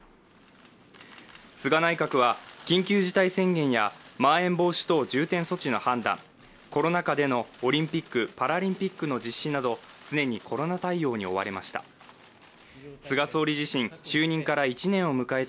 菅内閣は緊急事態宣言やまん延防止等重点措置の判断、コロナ禍でのオリンピック・パラリンピックの実施など常にコロナ対応に追われました。